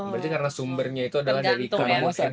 berarti karena sumbernya itu adalah dari pengawasan